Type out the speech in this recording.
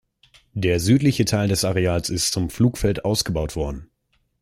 Der südliche Teil des Areals ist zum Flugfeld ausgebaut worden.